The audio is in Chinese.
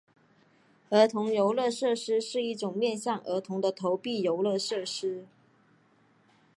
儿童游乐设施是一种面向儿童的投币游乐设施。